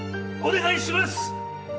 お願いします！